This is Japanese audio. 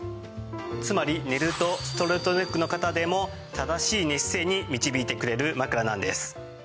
つまり寝るとストレートネックの方でも正しい寝姿勢に導いてくれる枕なんです。